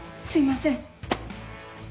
すいません。